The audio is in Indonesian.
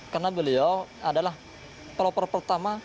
karena beliau adalah pelopor pertama